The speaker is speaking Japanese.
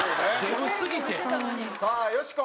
さあよしこ。